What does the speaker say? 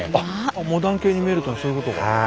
モダン系に見えるというのはそういうことか。